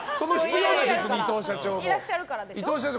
いらっしゃるからでしょ？